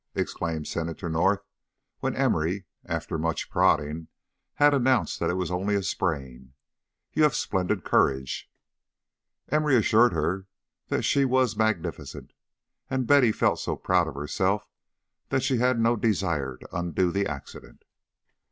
exclaimed Senator North when Emory, after much prodding, had announced that it was only a sprain. "You have splendid courage." Emory assured her that she was magnificent, and Betty felt so proud of herself that she had no desire to undo the accident.